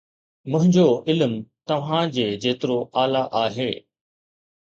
منهنجو علم توهان جي جيترو اعليٰ آهي